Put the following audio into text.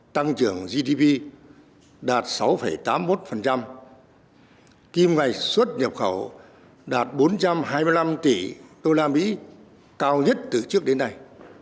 tăng trưởng gdp đạt sáu tám mươi một kim ngạch xuất nhập khẩu đạt bốn trăm hai mươi năm tỷ usd cao nhất từ trước đến nay